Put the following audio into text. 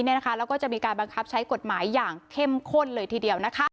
แล้วก็จะมีการบังคับใช้กฎหมายอย่างเข้มข้นเลยทีเดียว